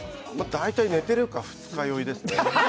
大体、寝てるか、二日酔いですね。